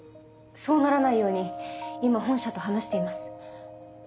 そうならないように今本社と話しています。